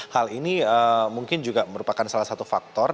hal ini mungkin juga merupakan salah satu faktor